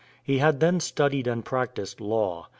He had then studied and practiced law.